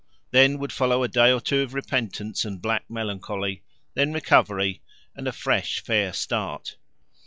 Then would follow a day or two of repentance and black melancholy; then recovery and a fresh fair start.